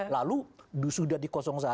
lalu sudah di satu